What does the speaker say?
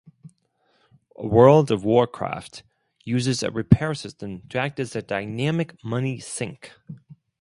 "World of Warcraft" uses a repair system to act as a dynamic money sink.